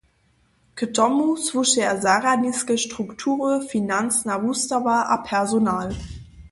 K tomu słušeja zarjadniske struktury, financna wustawa a personal.